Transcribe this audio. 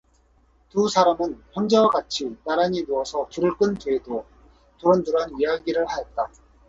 두 사람은 형제와 같이 나란히 누워서 불을 끈 뒤에도 두런두런 이야기를 하였다.